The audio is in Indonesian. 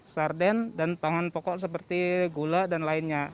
sarden dan pangan pokok seperti gula dan lainnya